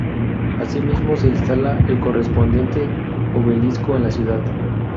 Asimismo, se instala el correspondiente obelisco en la ciudad.